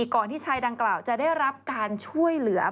ก่อนที่ชายดังกล่าวจะได้รับการช่วยเหลือ